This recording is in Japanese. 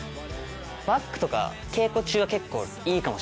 バッグとか稽古中は結構いいかもしれない。